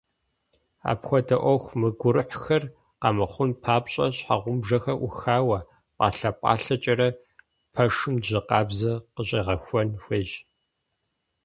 Апхуэдэ Ӏуэху мыгурыхьхэр къэмыхъун папщӀэ, щхьэгъубжэхэр Ӏухауэ, пӀалъэ-пӀалъэкӀэрэ пэшым жьы къабзэ къыщӀегъэхуэн хуейщ.